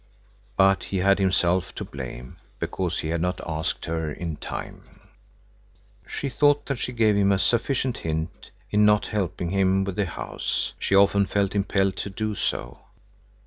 But he had himself to blame, because he had not asked her in time. She thought that she gave him a sufficient hint in not helping him with the house. She often felt impelled to do so.